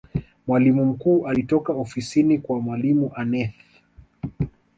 mwalimu mkuu alitoka ofisini kwa mwalimu aneth